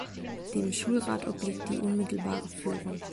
Dem Schulrat obliegt die unmittelbare Führung.